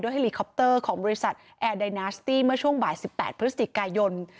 เฮลีคอปเตอร์ของบริษัทแอร์ไดนาสตี้เมื่อช่วงบ่าย๑๘พฤศจิกายน